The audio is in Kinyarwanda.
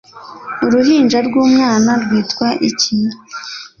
Uruhinja rw'umwana rwitwa iki?